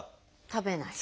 食べない？